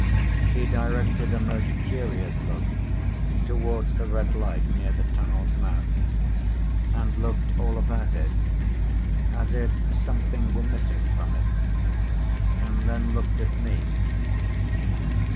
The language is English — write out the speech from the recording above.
He directed a most curious look towards the red light near the tunnel's mouth, and looked all about it, as if something were missing from it, and then looked at me.